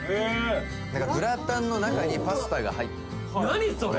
何かグラタンの中にパスタが入って何それ！？